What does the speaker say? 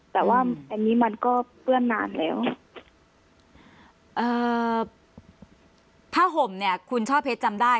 แต่ว่าอันนี้มันก็เปื้อนนานแล้วเอ่อผ้าห่มเนี่ยคุณช่อเพชรจำได้